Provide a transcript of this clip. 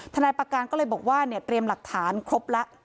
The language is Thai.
นายประการก็เลยบอกว่าเนี่ยเตรียมหลักฐานครบแล้ว